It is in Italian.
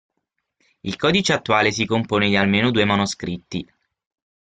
Il codice attuale si compone di almeno due manoscritti.